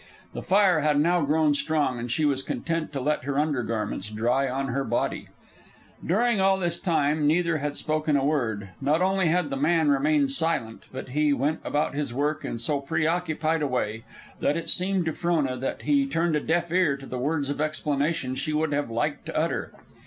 The fire had now grown strong, and she was content to let her under garments dry on her body. During all this time neither had spoken a word. Not only had the man remained silent, but he went about his work in so preoccupied a way that it seemed to Frona that he turned a deaf ear to the words of explanation she would have liked to utter.